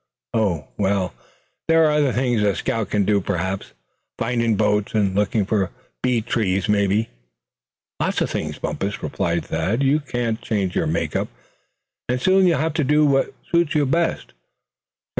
Oh! well, there are other things a scout c'n do, perhaps, findin' boats, and lookin' for bee trees mebbe." "Lots of things, Bumpus," replied Thad. "You can't change your make up; and so you'll have to do what suits you best.